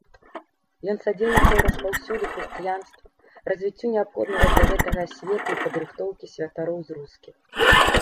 Ён садзейнічаў распаўсюду хрысціянства, развіццю неабходнага для гэтага асветы і падрыхтоўкі святароў з рускіх.